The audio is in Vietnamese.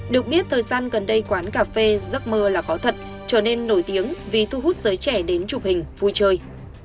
được biết thời gian gần đây quán cà phê giấc mơ là khó thật trở nên nổi tiếng vì thu hút giới trẻ đến chụp hình vui chơi